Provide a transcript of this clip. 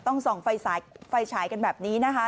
ต้องส่องไฟสายแบบนี้นะคะ